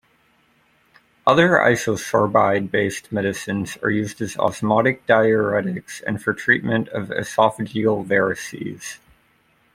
Other isosorbide-based medicines are used as osmotic diuretics and for treatment of esophageal varices.